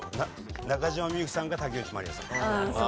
中島みゆきさんか竹内まりやさん。